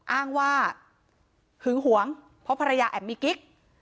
อ้างว่าหึงหวงเพราะภรรยาแอบมีกิ๊ก